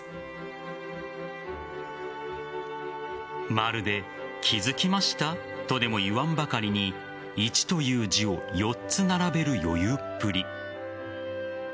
まるで気付きました、と言わんばかりに１という字を４つ並べる余裕っぷり。